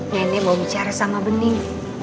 nenek mau bicara sama bening